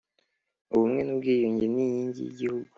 ubumwe n ubwiyunge ni inkingi y’ igihugu